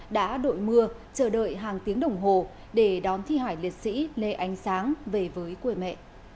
đã đội mưa chờ đợi hàng tiếng đồng hồ để đón thi hải liệt sĩ lê ánh sáng về với quê mẹ